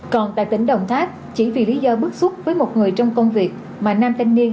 còn tại tỉnh đồng tháp chỉ vì lý do bức xúc với một người trong công việc mà nam thanh niên